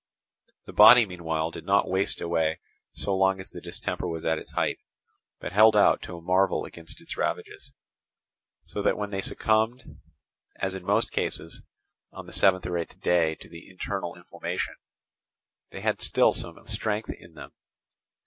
The body meanwhile did not waste away so long as the distemper was at its height, but held out to a marvel against its ravages; so that when they succumbed, as in most cases, on the seventh or eighth day to the internal inflammation, they had still some strength in them.